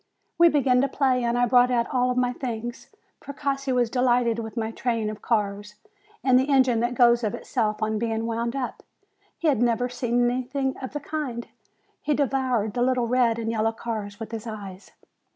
We began to play, and I brought out all my things. Precossi was delighted with my train of cars, and the engine that goes of itself on being wound up. He had never seen anything of the kind. He devoured the little red and yellow cars with his eyes.